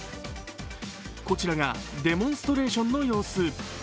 こちらがデモンストレーションの様子。